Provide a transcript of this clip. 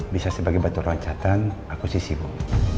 bisa sebagai bantu roncatan aku si sibuk